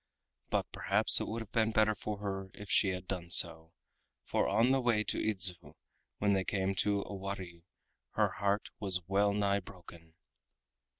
But perhaps it would have been better for her if she had done so, for on the way to Idzu, when they came to Owari, her heart was well nigh broken.